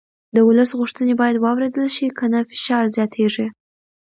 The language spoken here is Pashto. د ولس غوښتنې باید واورېدل شي که نه فشار زیاتېږي